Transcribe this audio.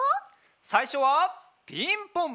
さいしょはピンポン。